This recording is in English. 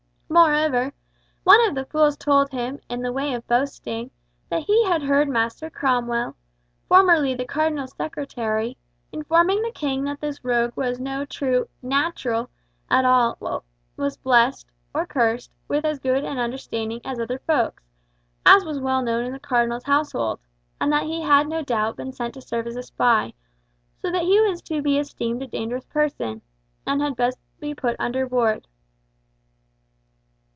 Moreover, one of the other fools had told him, in the way of boasting, that he had heard Master Cromwell, formerly the Cardinal's secretary, informing the King that this rogue was no true "natural" at all, but was blessed (or cursed) with as good an understanding as other folks, as was well known in the Cardinal's household, and that he had no doubt been sent to serve as a spy, so that he was to be esteemed a dangerous person, and had best be put under ward.